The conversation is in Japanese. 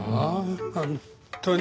本当に。